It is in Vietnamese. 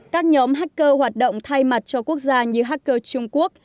các nhóm hacker hoạt động thay mặt cho quốc gia như hacker trung quốc